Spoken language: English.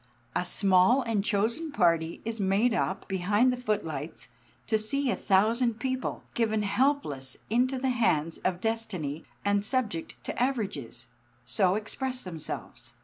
A small and chosen party is made up, behind the footlights, to see a thousand people, given helpless into the hands of destiny and subject to averages, so express themselves.